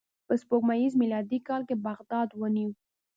په سپوږمیز میلادي کال یې بغداد ونیو.